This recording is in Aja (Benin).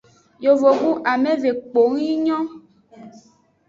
Yovogbu ameve kpang yi nyon.